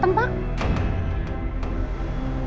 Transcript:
tidak berapa hari